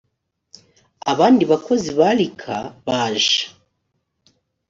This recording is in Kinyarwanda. abandi bakozi ba rcaa baje